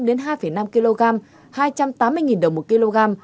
còn loại trên bốn kg là ba trăm hai mươi đồng một kg